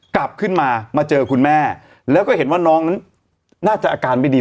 กลับขึ้นมามาเจอคุณแม่แล้วก็เห็นว่าน้องนั้นน่าจะอาการไม่ดี